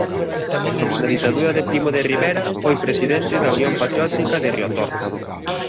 Na ditadura de Primo de Rivera foi presidente da Unión Patriótica de Riotorto.